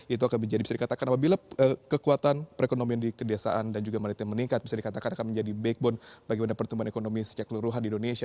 itu akan menjadi bisa dikatakan apabila kekuatan perekonomian di kedesaan dan juga malitian meningkat bisa dikatakan akan menjadi backbone bagaimana pertumbuhan ekonomi secara keluruhan di indonesia